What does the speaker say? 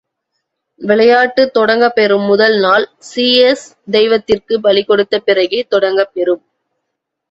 விளையாட்டுத் தொடங்கப்பெறும் முதல் நாள் ஸீயஸ் தெய்வத்திற்குப் பலிகொடுத்த பிறகே தொடங்கப் பெறும்.